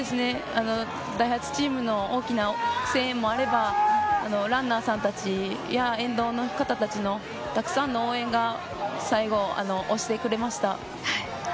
ダイハツチームの大きな声援もあればランナーさんたちや沿道の方たちのたくさんの応援が最後背中を押してくれました。